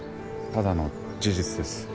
ただの事実です。